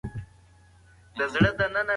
فزیکي فعالیت د چاغښت مخه نیسي.